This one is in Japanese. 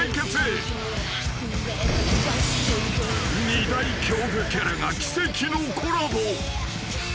［二大恐怖キャラが奇跡のコラボ］